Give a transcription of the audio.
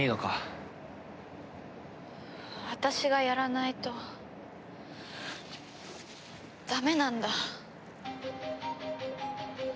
私がやらないとダメなんだ。